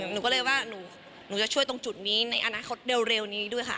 หนูก็เลยว่าหนูจะช่วยตรงจุดนี้ในอนาคตเร็วนี้ด้วยค่ะ